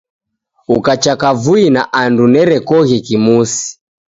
Ukacha kavui na andu nerekoghe kimusi.